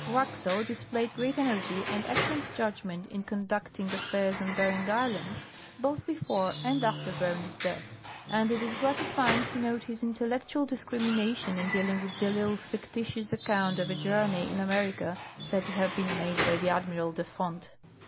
Waxel displayed great energy and excellent judgment in con ducting affairs on Bering island, both before and after Bering's death, and it is gratifying to note his intellectual discrimination in dealing with de I'lsle's fictitious account of a journey in America said to have been made by one Admiral de Fonte.